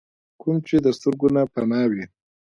کوم چې د سترګو نه پناه وي ۔